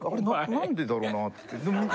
何でだろうなって。